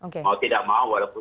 kalau tidak mau walaupun